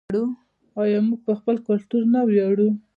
آیا موږ په خپل کلتور نه ویاړو؟